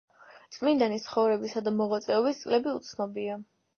წმინდანის ცხოვრებისა და მოღვაწეობის წლები უცნობია.